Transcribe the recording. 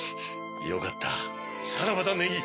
よかったさらばだネギ。